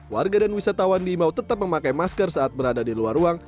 warga dan wisatawan diimbau tetap memakai masker saat berada di luar ruang